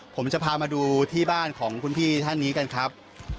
ผมจะพามาดูที่บ้านของคุณพี่ท่านนี้กันครับ